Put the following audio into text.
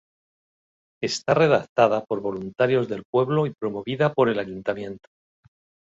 Está redactada por voluntarios del pueblo y promovida por el ayuntamiento.